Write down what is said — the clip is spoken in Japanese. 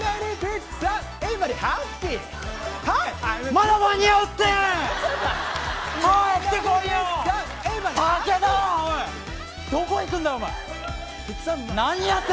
まだ間に合うって。